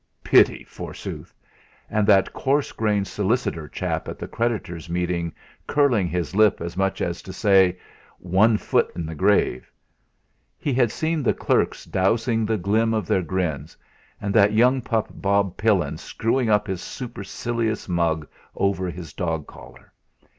Pity, forsooth! And that coarse grained solicitor chap at the creditors' meeting curling his lip as much as to say: 'One foot in the grave!' He had seen the clerks dowsing the glim of their grins; and that young pup Bob Pillin screwing up his supercilious mug over his dog collar.